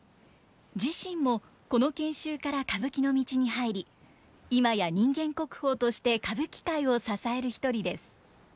自身もこの研修から歌舞伎の道に入り今や人間国宝として歌舞伎界を支える一人です。